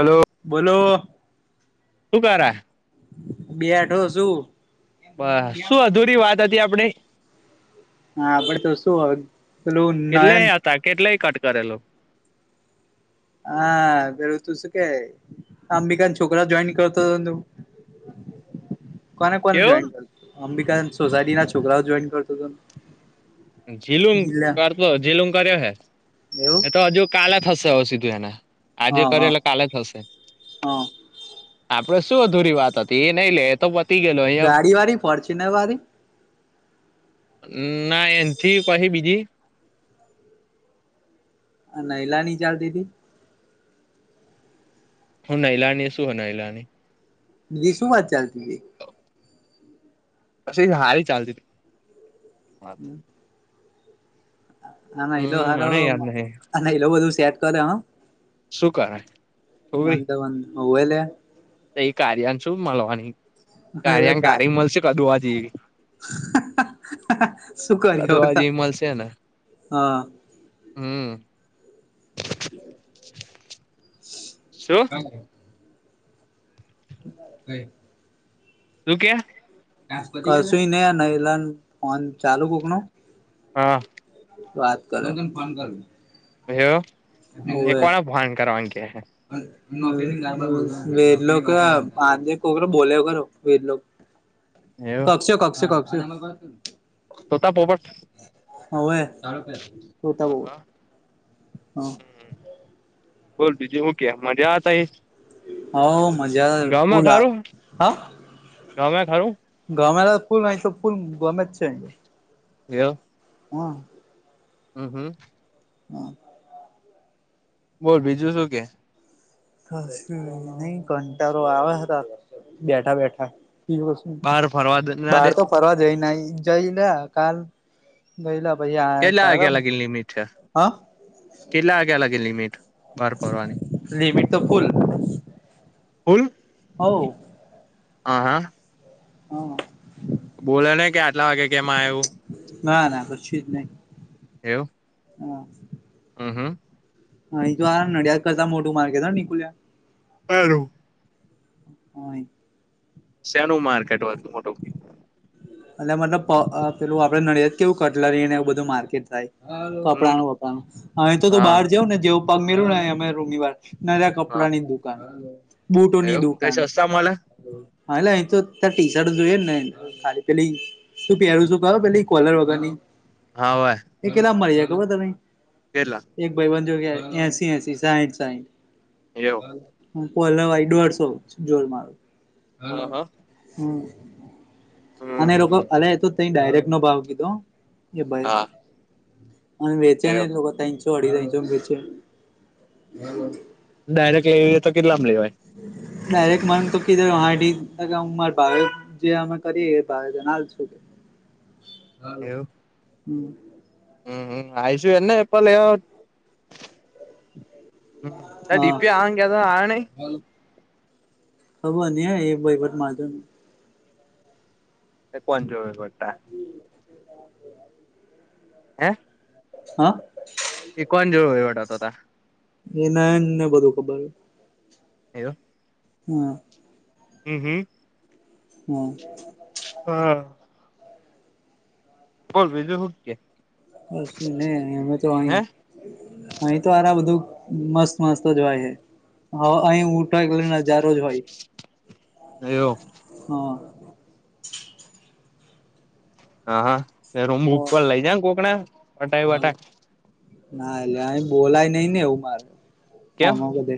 Hello બોલો શું કરા બેઅઠો સુ. બસ, સુ અધૂરી વાત હતી આપણે? હા, આપડે તો સુ હવે, પેલું નયન કેટલેય હતા કેટલેય કટ કરેલો. હા, પેલુ તુ સુ કેય, અંબિકાના છોકરાન જોઈન કરતોતો ન તુ? [inaudible] કોને કોને કેવું જોઈન કર? અંબિકાના સોસાયટી ના છોકરાઓ જોઈન કરતોતો ન જીલુંમ કરતો, જીલુંમ કર્યો હે. એવું એ તો હજુ કાલે થસે હવે સીધું એને. આજે હા કરે હા એટલે કાલે થસે. હા આપડે સુ અધૂરી વાત હતી? એ નઈ લે એ તો વધ ગાડી વારી, ફડચી ન વારી? ના એ ઠીક, પાહી બીજી? નૈલાની ચાલતીતી? હું નૈલાની સુ નૈલાની? બીજી શું વાત ચાલતી તી. સિંગ હારી ચાલતીતી હમ આ નૈલો હમ હારો, મને યાદ નહિ આ નૈલો બધું સેટ કરે, હ! સુ કરાય, તો મન બી મન હોવે લયા? તો એ કાર્યાંગ શું મળવાની? કર્યાંગ કારી મલશે કદુવા જેવી. હ હા, હા, સુ કર્યું કદુઆ સાવ, જેવી મળશે ને હા. હમ શું હા, બોલ કઈ? સુ કે? [unintelligible] કસુ નહી, આ નઈલાન ફોન ચાલુ કોકનો? હા વાત કરો, ઘરે જઈન ફોન કરુ. હેલો, એ કોને ફોન કરવાનું કે હે? વેદલો કઈ આજે કોકને બોલ્યો ખરો, વેદલો. એવું કક્ષો, કક્ષો, કક્ષો આ નંબર છે ને? તોતા પોપટ હોવે, તારા કયા, તોતા હા હોવે, હા હા બોલ, બીજું હુ કે, મજામાં તહીં? હો મજા ફૂલ હા, હં? ગમેં ખરું? અમારે ફૂલ ન એ તો ફૂલ ગમે જ છે. વ્યો આં હં, હં હા [unintelligible] બોલ બીજું શું કે નહી કંટારો આવે હતા બેઠા બેઠા બહાર [inaudible] ફરવા - ના બહાર દે તો ફરવા [inaudible] જઈ આઈ જઈ ને હાલ [inaudible] કેટલા વાગ્યા લગી લિમિટ છે [unintelligible] બાર ફરવાની દૂકુલ [unintelligible] હાઉ- હા હા હા બોલો ને કે આટલા વાગે કેમાં આવ્યું ના ના પછી જ નહીં એવુ હા હમ હા અહીં તો આ નડિયાદ કરતા મોટુ માર્કેટ હાન નિકુલિયા અ હ શેનું માર્કેટ હો હતું મોટુ એટલે મતલબ પેલું આપડે નડિયાદ કેવું કટલરીને એવું બધું માર્કેટ થાય હમ કપડાનું વપરાનું અહીં થી તો હા બહાર જઉં ને જેવું પગ મેળ્યું ને અમે રૂમ ની બાર નાના હા કપડાની દુકાન-બુટોની એવું તઈ દુકાન- સસ્તા મળે હા એ તો ત ટી શર્ટ જોએ ને ખાલી પેલી-તું પહેરું શું કરો પેલી કોલર વગર હા હોય ની-એ કેટલા મળી- ખબર કેટલા તમે-એક ભાઈ બન જો કે એસી એસી સાહીઠ સાહીઠ એવું હ પલાવાાઈ દોઢસો જોજ મારું હા હા હલો-હમ અને લોકો હમ અ તો ત ડાયરેક્ટ નો ભાવ કીધો-કે ભાઈ હા અને વેચ્યા એવું ને લોકો તો અઢી તો વેચ્યા- ડાયરેક્ટ લેવીએ તો કેટલામ લેવાય ડાયરેક્ટ મને તો કીધ હ મારા ભાવ જે અમે કરીએ છો કે-હ એવું હમ હમ હમ આ આવીશું એને એ પલે- ડી હા પી આવાનું કેતો તો આયો નઈ- [unintelligible] એ કોણ જોવે ખોટા હે હા હતા એ નાને બધું ખબર એવુ હા હમ હમ હા હા બોલ બીજું હુ કે કશું નહીં અમે તો હે અ-અહી તો આરા બધું મસ્ત મસ્ત જ હોય- હ હ અહી ઉઠો એટલે નજારો જ હોય એયો [inaudible] હા રૂમ ઉપર લઈ જા કોકના- વટાઈ વટા ના એટલે અ બોલાય નઈ ને એવું મારે કેમ આમાં બધે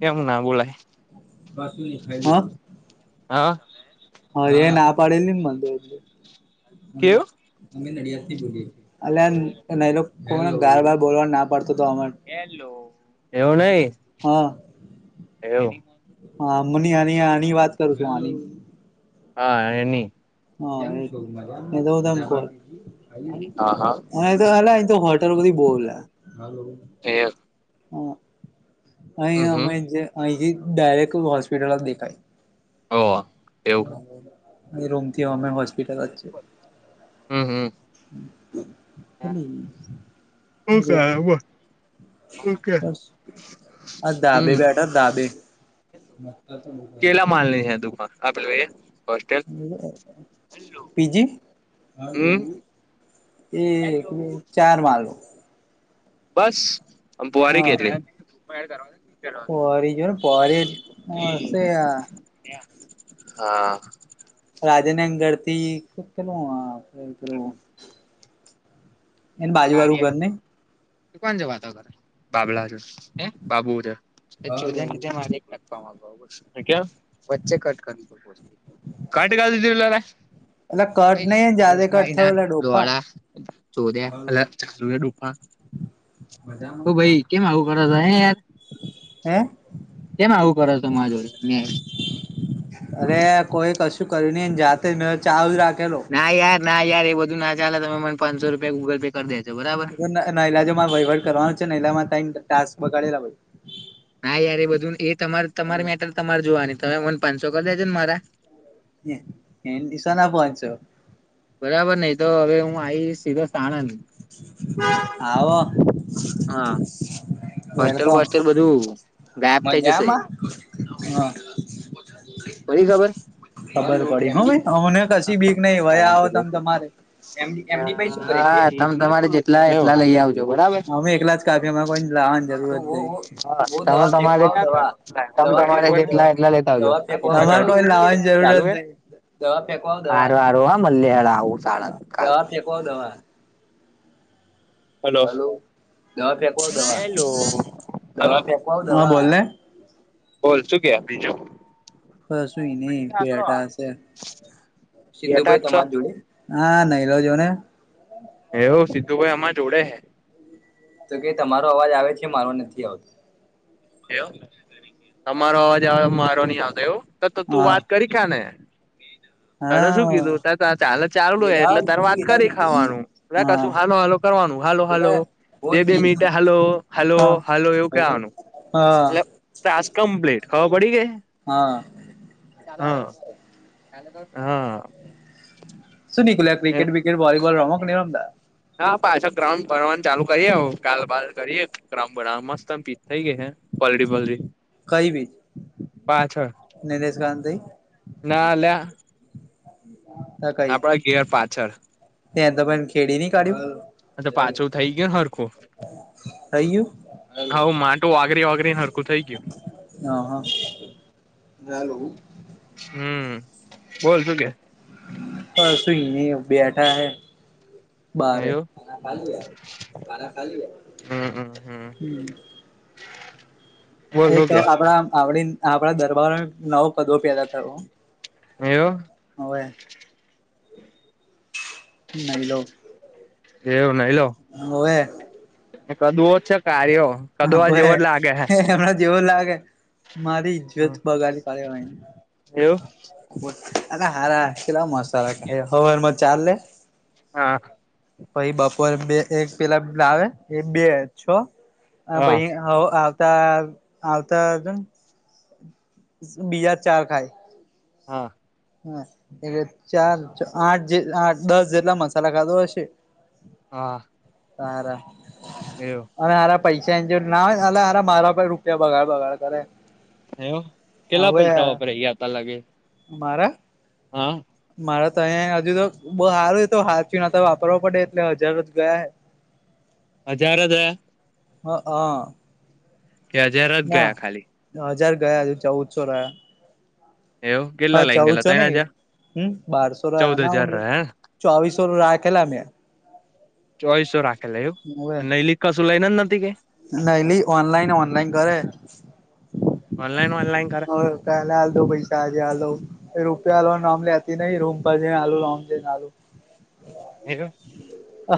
કેમ ના બોલાય બાશું દેખાઈ હ. હા અ હા એ ના પાડેલી ને મનતો એટલે અમે કેવું અમે નડિયાદ થી બોલીએ. અલ્યા નયલો કોને ગાળ બાળ બોલવાન ના પાડ તો તો અમન એવું નહી હ. એવું હા મની આની આની વાત કરું છું આની. હા એની. હા એની નઈ તો હું તન કઉ. હા હા. આય તો હલે અય તો હોટલો બધી બઉ લ્યા. એ હા હમ અય હમ અહી થી ડાયરેક્ટ હોસ્પિટલો દેખાય. હો અ. એ રૂમથી હોમે હોસ્ પીટલ જ છે. હમ હમ એની રોમ ઓકે બસ આ ધાબે બેઠા ધાબે. કેલા માલ ની હે દુકાન આપે [unintelligible] પી. જી. હલો. હમ એ એક બે ચાર માલો બસ આમ પોહરી કેટલી. પોળી જો ન પોળી હશે આ હા. રાજા ને અંગર થી કે પેલું આ પેલું એને બાજુ વાળુ ઘર નઈ કોણ છે વાતો કરે બાબલા હાથે છે હ બાબુ [unintelligible] કા વાંધો કે વચ્ચે કટ એટલે કરી નઈ કટ જાતે કટ થયો કરલીધું એટલે ડોફા તે લા. [unintelligible] [unintelligible] મજામાં. [unintelligible] [unintelligible] એ. કેમ આવું કરો છો માર જોડે મેં અરે કોઈ કશું કર્યું નઈ ને જાતે જ મેતો ચાલુ જ રાખ ના યાર ના યાર એ બધું ના ચાલે તમે મને પાંસો રૂપિયા ગૂગલ પે કર દે [unintelligible] લાજો મારે વહીવટ કરવાનો છે એટલામાં તઈણ ટાસ્ક બગાડેલા ભઈ. હા યાર એ બધું એ તમારે તમાર મેટર તમારે જોવાની તમે મને પાંચસો કરી દેજો ને મારા. એ નિ શના પોનસો. બરાબર ને ઈ તો હવે હું આઈસ સીધો સાણંદ. આવો. હા. હોસ્ટેલ વેલકમ બોસ્ટેલ બધું ગાયબ થઈ જશે. હા પડી ખબ ખબર પડી હવ ભઈ અમને કશી બીક નહી ભઈ આવો તમ તમારે. હા તમ તમારે જેટલા એટલા લઈ આવ અમે એકલા જ કાફીમાં કોઈ લાવા ન જરૂર જ નઈ હો હો હો તમે દવા તમારે ફેકવા દવા તમે દવા તમારે ફેકવા દવા જેટલા એટલા લેતા આવજો દવા ફેકવા તમારે કોઈ લાવવાની જરૂરજ નઈ દવા ફેકવા દવા. હારું હારું હા મલે હેડ આવું સાણંદ હા કાલ દવા ફેંકવા દવા. હલો દવા ફેકવા આઓ હેલો દવા હલો દવા ફેકવા આઓ દવા હ બોલને [inaudible] બોલ શું ક બીજું. હશુંઈ નહ બેટા બેઠા હશે. જ સિદધુ ભાઈ છો તમારી જોડે હા નઈલો જો ને. એવું સી્ધુ ભાઈ આમાં જોડે છે. તો કે તમારો અવાજ આવે છે મારો નથી આવતો. એવ તમારો અવાજ મારો નહી આવતો એવું. તો તું હા વાત કરી ક્યા ને. અ હા શું કીધું ત ચાલે ચાલુ એટલે તાર વાત કરી ખાવાનું એટ હા કશું હાલો હાલ કરવાનું. હાલો હાલો બે બે મીટે હલો હલો હા હલો એવું કવાનું. હા એટલે તસ કમ્પ્લીટ ખબર પડી ગઈ. હા હા. હા સુન. ક્રિકેટ બિકેટ વોલીબોલ રમોક નહી રમતા. હા પાછા ગ્રાઉન્ડ ભણવાનું ચાલુ કરીએ ગાલબાલ કરીએ ગ્રમ બરામ મસ્તમ પીસ થઇ ગઈ છે. પલડી પલડી. કઈ બીજ પાછળ નિલેશ કાંત થઈ ના લ્યા. આપણા ઘેર પાછળ. ાઈ ખેડી ન કાઢ્યું. અછ પાછો થઇ ગયો સરરખું. થઈ હા માટું વાગરી વાગરીને હરકું થઈ ગયું. હા હા હેલો. હમ બોલ શું કે? પરસું ન બેઠા હૈ. બારે એવું મા ખાલી યાર મારા ખાલી. હમ હમ હમ. બોલ એક શું કે આપણા આપડી આપણા દરબાર નવો કદો પેલાતા. એવું. હો. નહી લો ઓ એ. એ કદુઓ જ છે કાર્યો. હા કદવા હવેે જેવો જ લાગે હે હમણાં જેવો લાગે. મારી ઈજ્જત બગાડી પાડે. એવું અ હારા મસ્ હવા મજ ચાલલે. હા. પછ બપોરે બે એક પેલા આવે એ બે છ. હ હા ભહી હ. આવતા બીજા ચાર ખાય. હા. હા એટલે ચાર આઠ જે દસ જેટલા મસાલા ખાધો હશે. હા. સાર. એવ. પૈસા એન્જ ના અ અરા મારા પણ રૂપિયા બગાડ બગાડ કરે. એવ કેટલા હવે પૈસા વાપરા ગયા ત લાગે. મારે તો અહીંયા હજુ તો બ હારું તો હાર ચ ના તો વાપરવા પડે એટલે હજાર જ ગયા હ. હજાર હતા. હા હા. કે હજાર જ ગયા ખાલી. ગયાજ ચૌદસો રહ્યા એવું કેટલા હા લઈ ચઉ ગયેલા છો ત્રણ નઈ હજાર હમ બારસો ચૌદ ના હ હજાર રહ્યા ચોવીસ સો રાખલા ને ચોઈસ રાખે લ એ ન લ કશું લઈને જ નથી કે. નઈ લ અનલાઈન અનલાઈન કરે ઓનલાઈન ઓનલાઈન કરે કાલા આ દો પાઈ તાજ હ દો ર મ લેતી નહી રૂમ પર જે આલુમને આલુ હેવું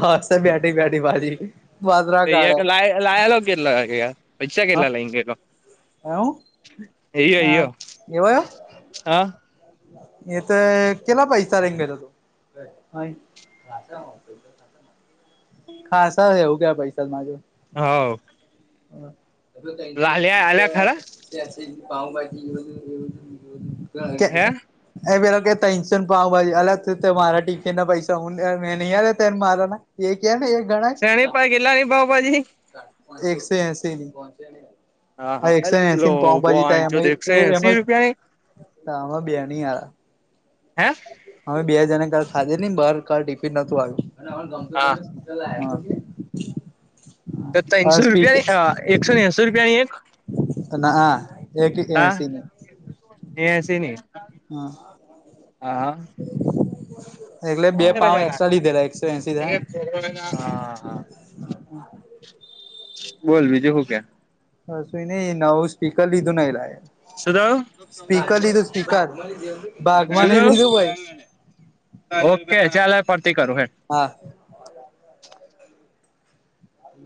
હા સ બેઠી બેઠી બાજી લ લયાલો કેટલા પૈછા કેટલા લ કે હમ હ કેવો આવયો હા એ તો કેલા પાઈ રેંગાય તો તો ખતા પસા ખ ખાાસ એવું કેયા પૈસા માજું. હા. ખરા [unintelligible] પાઉભાજી પેલા. હે ટટેન્શન પા ભ અલ મારા ટીચન ના પૈસા હું મેંહી હ ત મા ક ને એ ગણા શેની પાહે કેટલાની પાવભાજી એકસો એસી હા આ હા એકસો અલે ને લો એસી પાં ભાજી થાય બોનચોદ એમાં એકસો એ એસી એમાં. રૂપિયાની તામાં બે્યાની આ હે અમે બે જને ક ખાધે ન બાર ક ટિફિન નતું આવ્યું. અને ગમતો હા તમે. તનસો રૂપિયાની એકસો એસી રૂપિયાની એક. ના. એક હા એસી ની એશે નહ હા હા હા. હમ. એટલે બે પાઉ એકસ્ટ્રા લીધેલા એકસો એસી ના હા બોલ બીજું શું કે. હ સુું નઈ નવું સ્પીકર લીધું ન લે. શું થયું સ્પીકર લીધું સ્પીકર બાગમાંને લીધું ભાઈ. ઓકે ચલે પરતી કરું હે હા